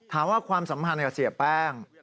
ความสัมพันธ์กับเสียแป้ง